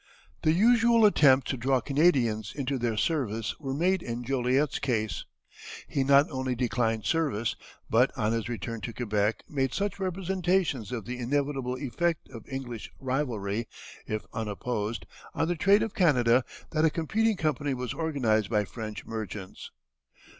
The usual attempts to draw Canadians into their service were made in Joliet's case. He not only declined service, but on his return to Quebec made such representations of the inevitable effect of English rivalry, if unopposed, on the trade of Canada, that a competing company was organized by French merchants.